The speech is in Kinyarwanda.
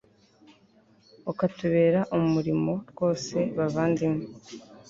ukatubera umurimo rwose bavandimwe